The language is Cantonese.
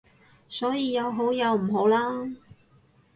所以有好有唔好啦